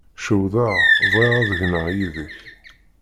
Cewḍeɣ, bɣiɣ ad gneɣ yid-k.